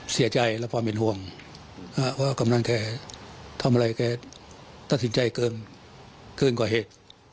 เสียใจและปลอมเหมียญหวงว่ากำนันแท้ทำอะไรแกต้นสินใจเกินกว่าเอต